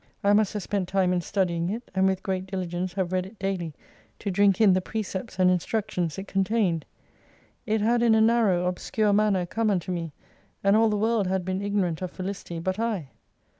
I must have spent time in studying it, and with great diligence have read it daily to drink in the precepts and instruc tions it contained. It had in a narrow, obscure manner come unto me, and all the world had been ignorant of felicity bat I.